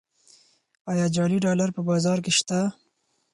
آیا جعلي ډالر په بازار کې شته؟